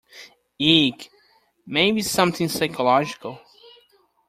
Eek! Maybe it’s something psychological?